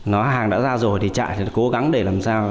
nó hàng đã ra rồi thì chạy thì cố gắng để làm sao